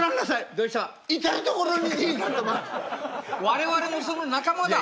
我々もその仲間だ。